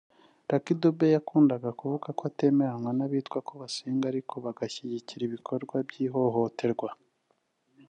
Lucky Dube yakundaga kuvuga ko atemeranywa n’abitwa ko basenga ariko bagashyigikira ibikorwa by’ihohoterwa